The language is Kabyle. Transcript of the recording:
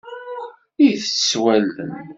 Itett s wallen.